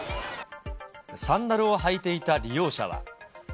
サンダルを履いていた利用者は。